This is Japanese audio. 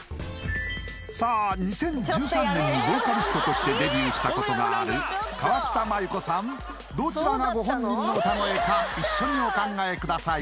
さあ２０１３年にヴォーカリストとしてデビューしたことがある河北麻友子さんどちらがご本人の歌声か一緒にお考えください